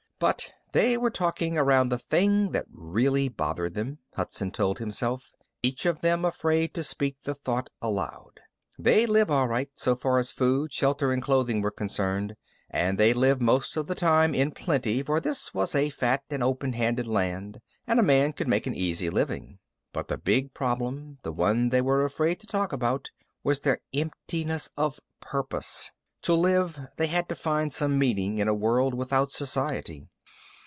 But they were talking around the thing that really bothered them, Hudson told himself each of them afraid to speak the thought aloud. They'd live, all right, so far as food, shelter and clothing were concerned. And they'd live most of the time in plenty, for this was a fat and open handed land and a man could make an easy living. But the big problem the one they were afraid to talk about was their emptiness of purpose. To live, they had to find some meaning in a world without society.